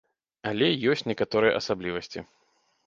Але ёсць некаторыя асаблівасці.